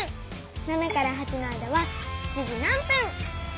７から８の間は７時何分！